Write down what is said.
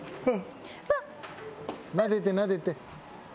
なでてなでて。